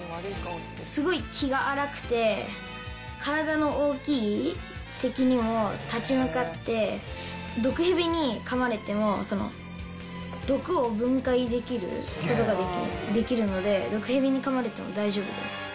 すごい気が荒くて、体の大きい敵にも立ち向かって、毒ヘビにかまれても、毒を分解できることができるので、毒ヘビにかまれても大丈夫です。